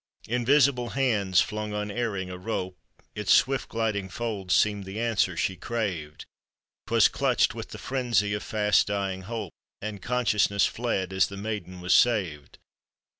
Invisible hands flung unerring a rope, Its swift gliding folds seemed the answer she craved, 'Twas clutched with the frenzy of fast dying hope, And consciousness fled as the maiden was saved